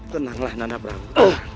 tenanglah nanda prabu